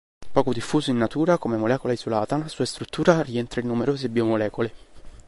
Poco diffuso in natura come molecola isolata, la sua struttura rientra in numerose biomolecole.